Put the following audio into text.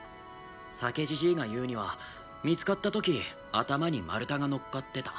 酒じじいが言うには見付かった時頭に丸太が乗っかってた。